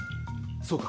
そうか。